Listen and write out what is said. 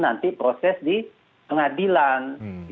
nanti proses di pengadilan